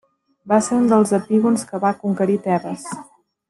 Va ser un dels epígons que va conquerir Tebes.